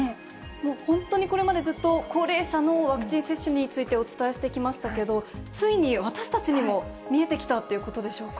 もう本当にこれまでずっと、高齢者のワクチン接種についてお伝えしてきましたけど、ついに私たちにも見えてきたということでしょうか。